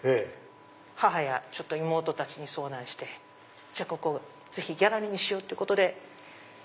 母や妹たちに相談してじゃあここをギャラリーにしようってことで。